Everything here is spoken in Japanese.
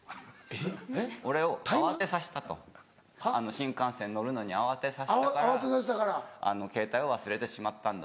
「新幹線乗るのに慌てさせたからケータイを忘れてしまったんだ。